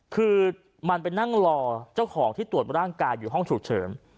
คือมันไปนั่งรอเจ้าของที่ตรวจร่างกายอยู่ห้องฉุกเฉิน